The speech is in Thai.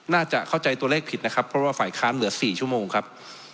น่าจะเข้าใจตัวเลขผิดนะครับเพราะว่าฝ่ายค้านเหลือ๔ชั่วโมงครับ